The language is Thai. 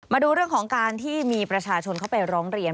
มาดูเรื่องของการที่มีประชาชนเข้าไปร้องเรียน